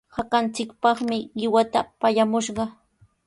Hakanchikpaqmi qiwata pallamushqaa.